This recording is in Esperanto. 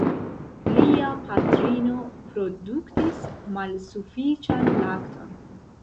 Lia patrino produktis malsufiĉan lakton.